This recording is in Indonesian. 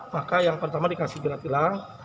maka yang pertama dikasih gelang gelang